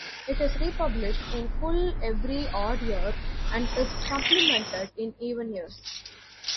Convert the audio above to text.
It is republished in full every odd year, and is supplemented in even years.